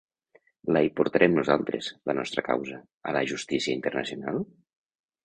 La hi portarem nosaltres, la nostra causa, a la justícia internacional?